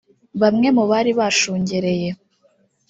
Bamwe mu bari bashungereye